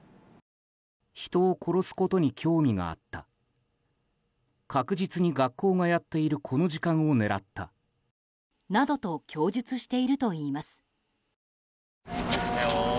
人を殺すことに興味があった確実に学校がやっているこの時間を狙った。などと供述しているといいます。